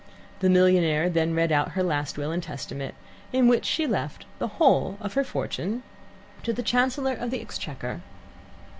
The millionaire then read out her last will and testament, in which she left the whole of her fortune to the Chancellor of the Exchequer.